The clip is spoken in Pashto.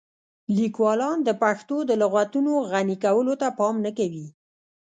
لیکوالان د پښتو د لغتونو غني کولو ته پام نه کوي.